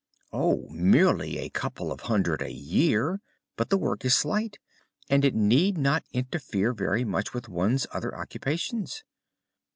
"'Oh, merely a couple of hundred a year, but the work is slight, and it need not interfere very much with one's other occupations.